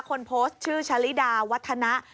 คนโพสต์ชื่อชะลิดาวัฒนะ